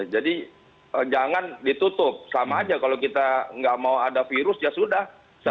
jadi jangan ditutup sama aja kalau kita nggak mau ada virus ya sudah